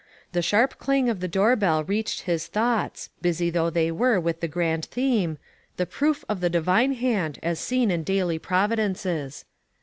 The sharp clang of the doorbell reached his thoughts, busy though they were with the grand theme, " The Proof of the Divine Hand as Seen in Daily Providences."